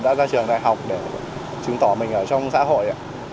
đã ra trường đại học để chứng tỏ mình ở trong xã hội